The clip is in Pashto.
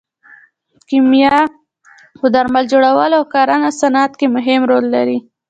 کیمیا په درمل جوړولو او کرنه او صنعت کې مهم رول لري.